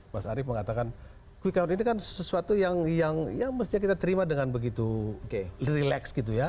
mas arief mengatakan quick count ini kan sesuatu yang mesti kita terima dengan begitu relax gitu ya